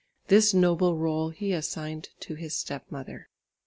This noble rôle he assigned to his step mother.